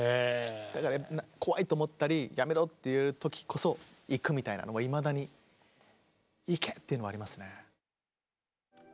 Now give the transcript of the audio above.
だから怖いと思ったりやめろって言われた時こそ行くみたいなのはいまだに行け！っていうのはありますね。